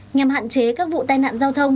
nhằm hạn chế các vụ tai nạn giao thông